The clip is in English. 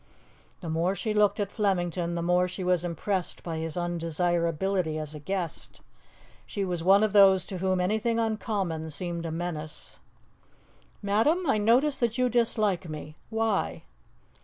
The more she looked at Flemington the more she was impressed by his undesirability as a guest. She was one of those to whom anything uncommon seemed a menace. "Madam, I notice that you dislike me why?"